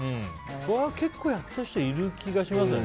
これは結構やってる人いる気がしますよね。